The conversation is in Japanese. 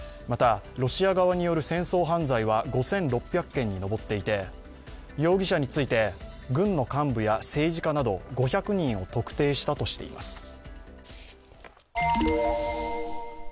また、ロシア側による戦争犯罪は５６００件に上っていて、容疑者について、軍の幹部や政治家など５００人を特定したとしています。